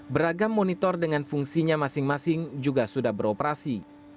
beragam monitor dengan fungsinya masing masing juga sudah beroperasi